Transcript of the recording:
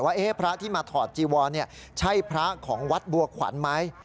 ว่าพระที่มาถอดจีวรใช่พระของวัดบัวขวัญไหม